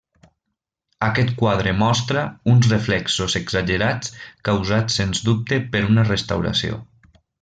Aquest quadre mostra uns reflexos exagerats, causats sens dubte per una restauració.